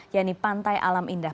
yaitu pantai alam indah